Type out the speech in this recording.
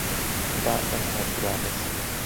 The bout went ahead regardless.